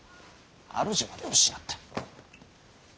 主まで失った。